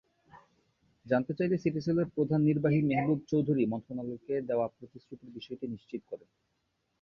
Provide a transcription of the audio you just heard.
জানতে চাইলে সিটিসেলের প্রধান নির্বাহী মেহবুব চৌধুরী মন্ত্রণালয়কে দেওয়া প্রতিশ্রুতির বিষয়টি নিশ্চিত করেন।